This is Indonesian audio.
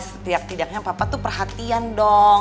setiak tidaknya papa tuh perhatian dong